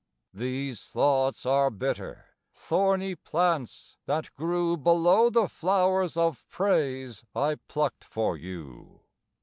These thoughts are bitter—thorny plants, that grew Below the flowers of praise I plucked for you.